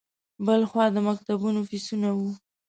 بل خوا د مکتبونو فیسونه وو.